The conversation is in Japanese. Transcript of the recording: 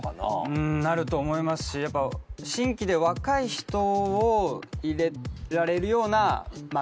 うんなると思いますしやっぱ新規で若い人を入れられるようなまあ